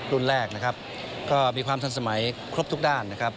รุ่นแรกนะครับก็มีความทันสมัยครบทุกด้านนะครับ